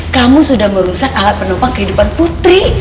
kamu sudah merusak alat penopang kehidupan putri